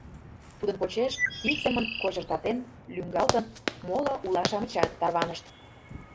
Тудын почеш, ик семын кочыртатен, лӱҥгалтын, моло ула-шамычат тарванышт.